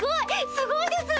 すごいです。